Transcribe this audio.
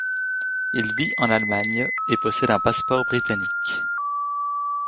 Il vit en Allemagne et possède un passeport britannique.